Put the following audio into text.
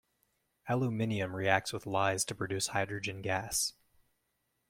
Aluminium reacts with lyes to produce hydrogen gas.